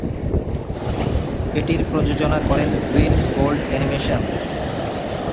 এটির প্রযোজনা করেন গ্রীন গোল্ড এনিমেশন।